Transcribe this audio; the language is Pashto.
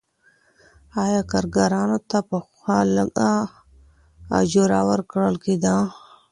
آیا کارګرانو ته پخوا لږه اجوره ورکول کیده؟